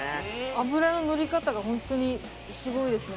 脂ののり方がホントにすごいですね。